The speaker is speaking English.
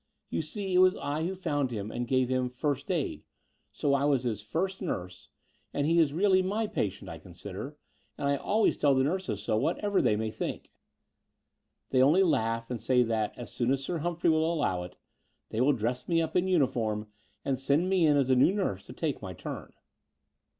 You see, it was I who found him and gave him 'first aid': so I was his first nurse, and he is really my patient, I consider, and I always tell the nurses so, whatever they may think! They only laugh and say that, as soon as Sir Hum phrey will allow it, they will dress me up in luii form and send me in as the new nurse to take my turn."